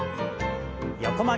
横曲げ。